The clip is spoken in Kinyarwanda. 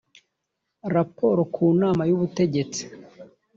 raporo ku nama y ubutegetsi